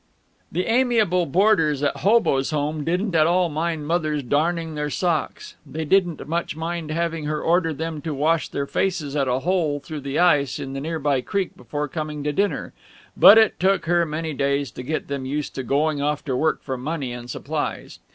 The amiable boarders at Hoboes' Home didn't at all mind Mother's darning their socks. They didn't much mind having her order them to wash their faces at a hole through the ice in the near by creek before coming to dinner. But it took her many days to get them used to going off to work for money and supplies.